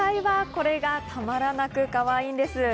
これがたまらなくかわいいんです。